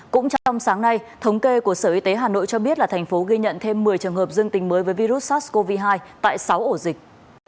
cũng trong sáng nay thống kê của sở y tế hà nội cho biết là thành phố ghi nhận thêm một mươi trường hợp dương tình mới với virus sars cov hai tại sáu ổ dịch